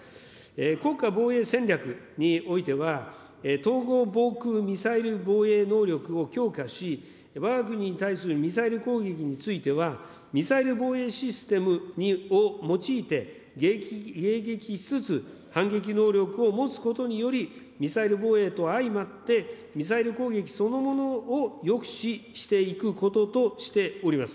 国家防衛戦略においては、統合防空ミサイル防衛能力を強化し、わが国に対するミサイル攻撃については、ミサイル防衛システムを用いて、迎撃しつつ反撃能力を持つことにより、ミサイル防衛と相まって、ミサイル攻撃そのものを抑止していくこととしております。